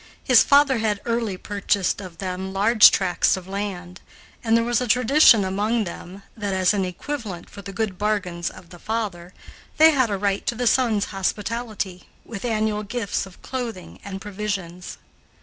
His father had early purchased of them large tracts of land, and there was a tradition among them that, as an equivalent for the good bargains of the father, they had a right to the son's hospitality, with annual gifts of clothing and provisions.